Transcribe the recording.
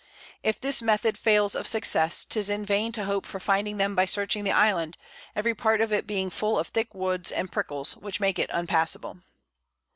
If this Method fails of Success, 'tis in vain to hope for finding them by searching the Island, every part of it being full of thick Woods and Prickles, which make it unpassable.